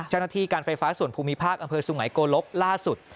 เจ้าหน้าที่การไฟฟ้าส่วนภูมิภาคอำเภอสุงัยโกลกล่าสุด